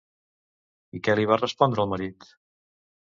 I què li va respondre el marit?